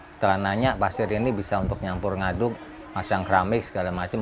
setelah nanya pasir ini bisa untuk nyampur ngaduk pasang keramik segala macam